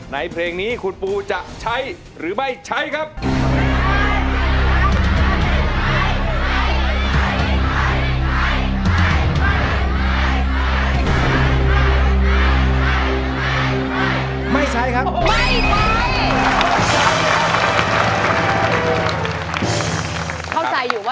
เพลงนี้คุณปูจะใช้หรือไม่ใช้ครับ